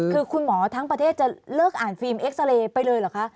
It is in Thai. คือคุณหมอทั้งประเทศจะเลิกอ่านฟิล์มเอ็กซาเรย์ไปเลยเหรอคะ